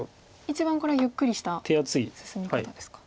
一番これはゆっくりした進み方ですか。